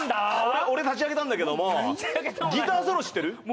俺たち上げたんだけれども、ギターソロって知ってる？